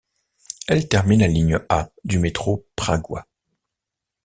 Elle termine la ligne A du métro pragois.